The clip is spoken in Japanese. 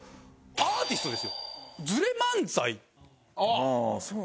アーティストです。